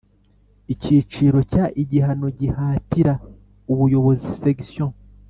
Icyiciro cya Igihano gihatira ubuyobozi Section